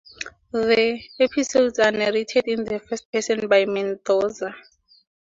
The episodes are narrated in the first person by Mendoza.